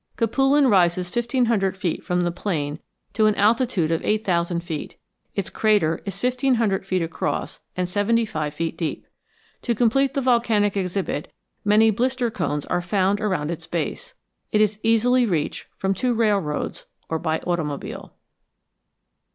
Capulin rises fifteen hundred feet from the plain to an altitude of eight thousand feet. Its crater is fifteen hundred feet across and seventy five feet deep. To complete the volcanic exhibit many blister cones are found around its base. It is easily reached from two railroads or by automobile.